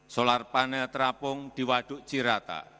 solar panel terapung di waduk cirata